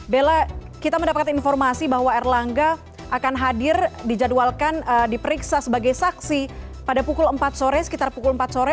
bella kita mendapatkan informasi bahwa erlangga akan hadir dijadwalkan diperiksa sebagai saksi pada pukul empat sore sekitar pukul empat sore